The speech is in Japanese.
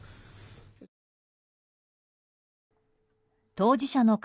当事者の会